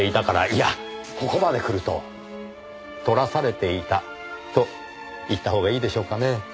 いやここまでくると撮らされていたと言ったほうがいいでしょうかね。